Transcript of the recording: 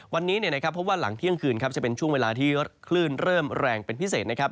วันนี้นะครับเพราะว่าหลังเที่ยงคืนครับจะเป็นช่วงเวลาที่คลื่นเริ่มแรงเป็นพิเศษนะครับ